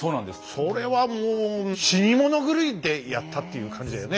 それはもう死に物狂いでやったっていう感じだよね